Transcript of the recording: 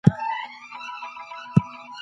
عام خلګ نالوسته پاته کيږي.